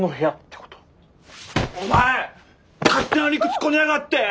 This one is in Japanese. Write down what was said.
お前勝手な理屈こねやがって！